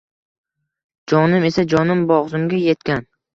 Jonim esa… Jonim bo‘g‘zimga yetgan!